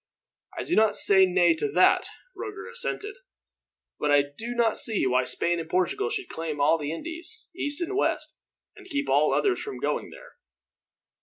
"I do not say nay to that," Roger assented; "but I do not see why Spain and Portugal should claim all the Indies, East and West, and keep all others from going there."